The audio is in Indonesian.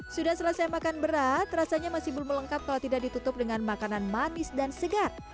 sudah selesai makan berat rasanya masih belum melengkap kalau tidak ditutup dengan makanan manis dan segar